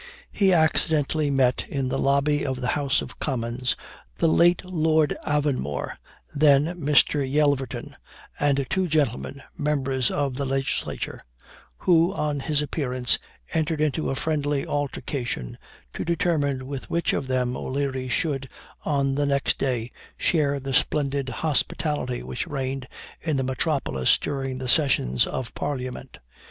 He accidentally met, in the lobby of the House of Commons, the late Lord Avonmore, then Mr. Yelverton, and two gentlemen, members of the legislature; who, on his appearance, entered into a friendly altercation to determine with which of them O'Leary should, on the next day, share the splendid hospitality which reigned in the metropolis during the sessions of parliament.